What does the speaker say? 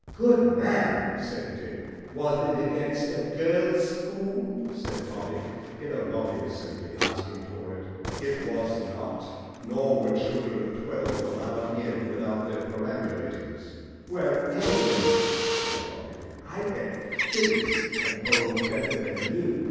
"Good man," said Dick. "Was it against a girls' school?" said Bobby. (You know, Bobby is simply asking for it.) "It was not. Nor were children of twelve allowed in without their perambulators." "Well, anyhow," said Bobby, "I bet Phyllis can bowl better than you."